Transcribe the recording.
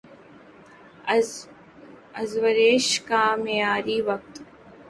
Azores کا معیاری وقت